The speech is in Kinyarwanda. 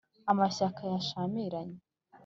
amashyaka yashyamiranye